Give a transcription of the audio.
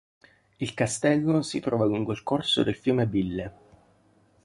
Il castello si trova lungo il corso del fiume Bille.